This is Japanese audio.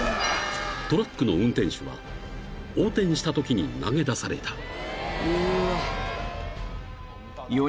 ［トラックの運転手は横転したときに投げ出された］